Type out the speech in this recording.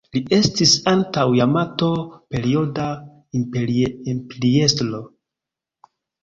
Li estis Antaŭ-Jamato-Perioda imperiestro.